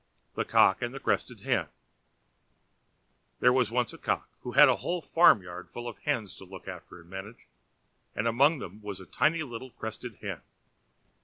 The Cock and the Crested Hen There was once a Cock who had a whole farm yard of hens to look after and manage; and among them was a tiny little Crested Hen.